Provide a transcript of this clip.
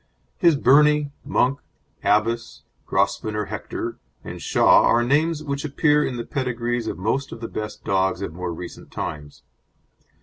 His Birnie, Monk, Abbess, Grosvenor Hector, and Shah are names which appear in the pedigrees of most of the best dogs of more recent times.